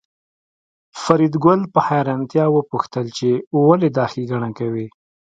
فریدګل په حیرانتیا وپوښتل چې ولې دا ښېګڼه کوې